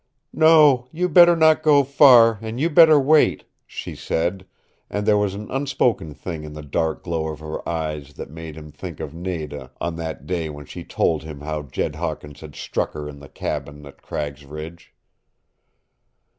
"No you better not go far, an' you better wait," she said, and there was an unspoken thing in the dark glow of her eyes that made him think of Nada on that day when she told him how Jed Hawkins had struck her in the cabin at Cragg's Ridge.